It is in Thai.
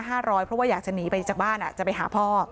เพราะว่าอยากจะหนีไปจากบ้านจะไปหาพ่อ